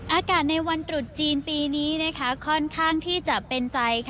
อากาศในวันตรุษจีนปีนี้ค่อนข้างที่จะเป็นใจ